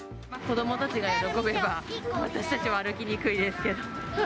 子どもたちが喜べば、私たちは歩きにくいですけど。